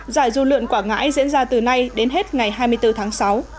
giải du lượn quảng ngãi diễn ra từ nay đến hết ngày hai mươi bốn tháng sáu